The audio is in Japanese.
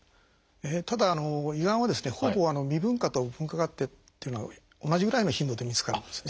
ただ胃がんはですねほぼ未分化と分化があってというのは同じぐらいの頻度で見つかるんですね。